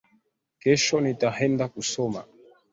Kesho nitaenda kusoma